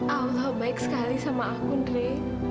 allah baik sekali sama aku ndre